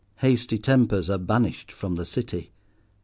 Hasty tempers are banished from the City.